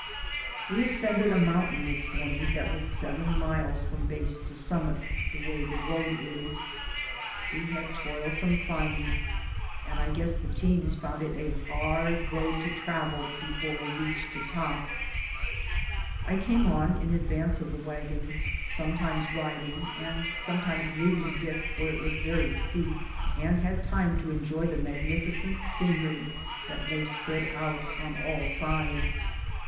We ascended a mountain this morning that was seven miles from base to summit, the way the road is. We had toilsome climb ing, and I guess the teams found it a hard road to travel before we reached the top. I 2o6 DAYS ON THE ROAD. came on in advance of the wagons, some times riding and sometimes leading Dick where it was very steep, and had time to en joy the magnificent scenery that lay spread out on all sides.